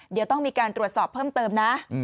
เดี๋ยวต้องมีการตรวจสอบเพิ่มเติมนะ